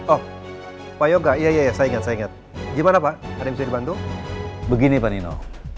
oh pak yoga iya iya saya ingat saya ingat gimana pak ada yang bisa dibantu begini pak nino